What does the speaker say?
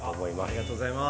ありがとうございます。